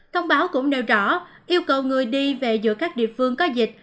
thông báo cũng nêu rõ yêu cầu người đi về giữa các địa phương có dịch